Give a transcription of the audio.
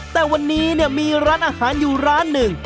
แต่วันนี้เนี่ยมีร้านอาหารอยู่ร้านหนึ่ง